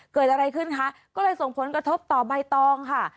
เกิดอะไรขึ้นคะก็เลยส่งผลกระทบต่อใบตองค่ะ